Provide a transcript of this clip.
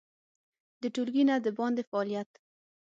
د ټولګي نه د باندې فعالیت